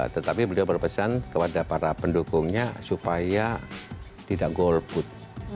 tetapi beliau berpesan kepada para pendukungnya supaya tidak golput